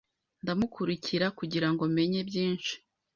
Ndamukurikira kugirango menye byinshi